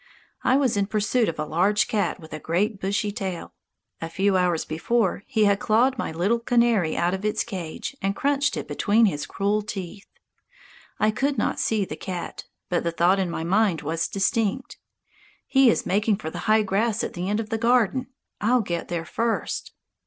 I was in pursuit of a large cat with a great bushy tail. A few hours before he had clawed my little canary out of its cage and crunched it between his cruel teeth. I could not see the cat. But the thought in my mind was distinct: "He is making for the high grass at the end of the garden. I'll get there first!"